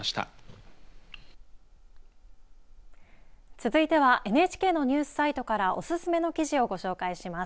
続いてはＮＨＫのニュースサイトからおすすめの記事をご紹介します。